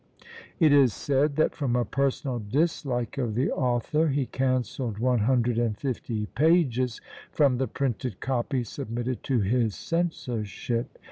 It is said, that from a personal dislike of the author, he cancelled one hundred and fifty pages from the printed copy submitted to his censorship.